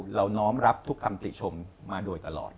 น้อมรับทุกคำติชมมาโดยตลอด